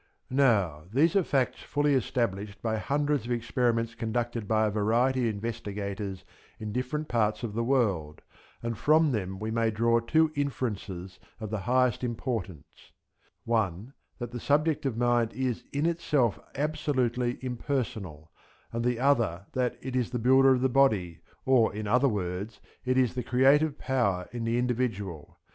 Now these are facts fully established by hundreds of experiments conducted by a variety of investigators in different parts of the world, and from them we may draw two inferences of the highest importance: one, that the subjective mind is in itself absolutely impersonal, and the other that it is the builder of the body, or in other words it is the creative power in the individual.